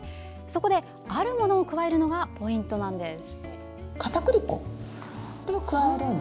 そこで、あるものを加えるのがポイントなんです。